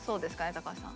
高橋さん。